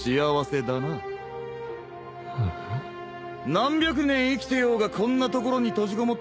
何百年生きてようがこんな所に閉じこもっ